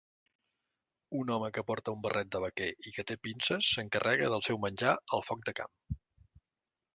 Un home que porta un barret de vaquer i que té pinces s'encarrega del seu menjar al foc de camp